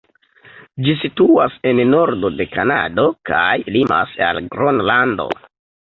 Ĝi situas en nordo de Kanado kaj limas al Gronlando.